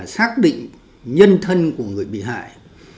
xác định nhân thân của người bị hại